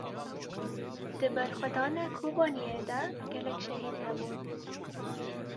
Di berxwedana Kobaniyê de gelek şehîd hebûn.